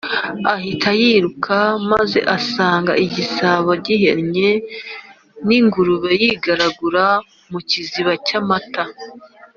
ahita yiruka, maze asanga igisabo gihennye n'ingurube yigaragura mu kiziba cy'amata.